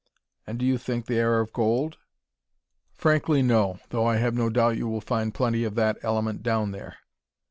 "And do you think they are of gold?" "Frankly, no; though I have no doubt you will find plenty of that element down there."